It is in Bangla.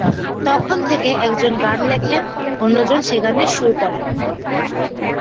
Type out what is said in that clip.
তখন থেকে একজন গান লেখেন, অন্যজন সে-গানের সুর করেন।